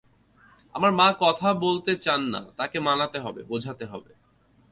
আমার মা কথা বলতে চান না, তাকে মানাতে হবে, বোঝাতে হবে।